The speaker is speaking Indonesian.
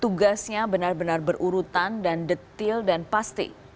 tugasnya benar benar berurutan dan detil dan pasti